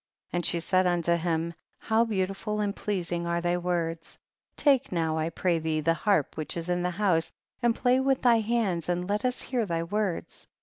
19. And she said unto him, how beautiful and pleasing are all thy words ; take now I pray thee, the harp which is in the house, and play with tiiy hands and let us hear thy words.